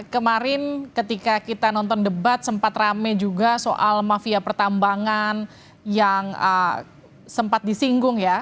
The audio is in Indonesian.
kemarin ketika kita nonton debat sempat rame juga soal mafia pertambangan yang sempat disinggung ya